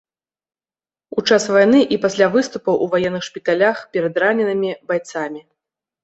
У час вайны і пасля выступаў у ваенных шпіталях перад раненымі байцамі.